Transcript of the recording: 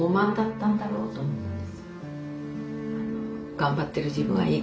頑張ってる自分はいい。